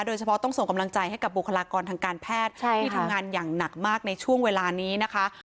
โดยเฉพาะต้องส่งกำลังใจให้กับบุคลากรทางการแพทย์ที่ทำงานอย่างหนักมากในช่วงเวลานี้นะคะ